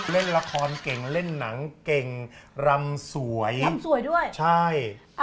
เล่นละครเก่งเล่นหนังเก่งรำสวยรำสวยด้วยใช่